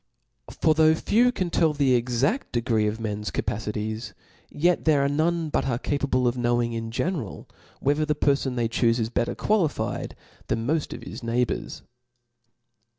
For though few can tell the exaft de gree of men's capacities, yet there are none but are capable of knowing in general, whether the perfon they chufe is better qualified than moft of his neighbours.